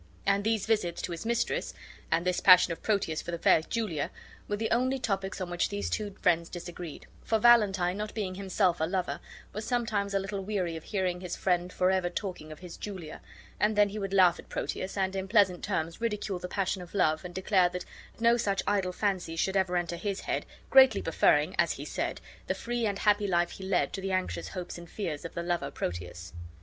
And these visits to his mistress,, and this passion of Proteus for the fair Julia, were the only topics on which these two friends disagreed; for Valentine, not being himself a lover, was sometimes a little weary of bearing his friend forever talking of his Julia, and then he would laugh at Proteus, and in pleasant terms ridicule the passion of love, and declare that no such idle fancies should ever enter his head, greatly preferring (as he said) the free and happy life he led to the anxious hopes and fears of the lover Proteus.